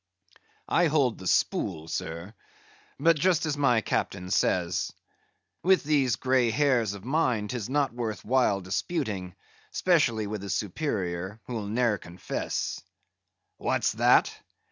"I hold the spool, sir. But just as my captain says. With these grey hairs of mine 'tis not worth while disputing, 'specially with a superior, who'll ne'er confess." "What's that?